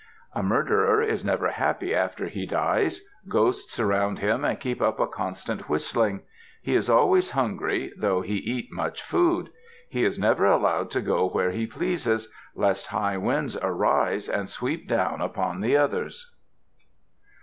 A murderer is never happy after he dies. Ghosts surround him and keep up a constant whistling. He is always hungry, though he eat much food. He is never allowed to go where he pleases, lest high winds arise and sweep down upon the others.